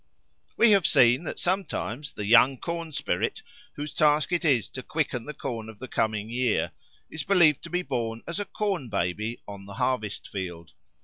We have seen that sometimes the young corn spirit, whose task it is to quicken the corn of the coming year, is believed to be born as a Corn baby on the harvest field.